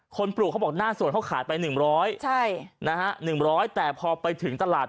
ปลูกเขาบอกหน้าสวนเขาขายไป๑๐๐๑๐๐แต่พอไปถึงตลาด